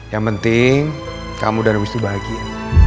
yang penting kamu dan wisnu bahagia